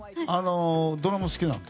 ドラマ好きなの？